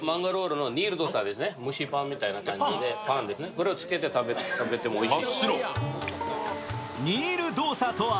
これをつけて食べてもおいしい。